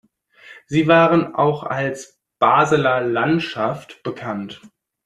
Sie waren auch als Basler „Landschaft“ bekannt.